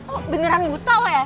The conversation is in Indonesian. oh beneran buta lo ya